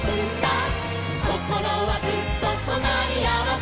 「こころはずっととなりあわせ」